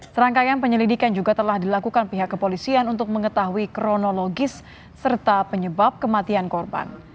serangkaian penyelidikan juga telah dilakukan pihak kepolisian untuk mengetahui kronologis serta penyebab kematian korban